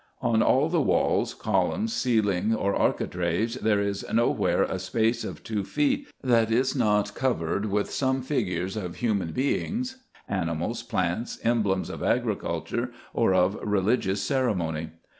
On all the walls, columns, ceiling, or architraves, there is nowhere a space of two feet, that is not covered with some figures of human beings, animals, plants, emblems of agriculture, or of religious ceremony.